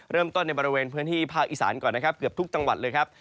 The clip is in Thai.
ในบริเวณพื้นที่ภาคอีสานก่อนนะครับเกือบทุกจังหวัดเลยครับ